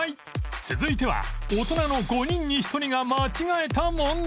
続いては大人の５人に１人が間違えた問題